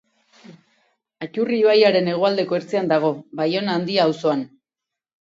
Aturri ibaiaren hegoaldeko ertzean dago, Baiona Handia auzoan.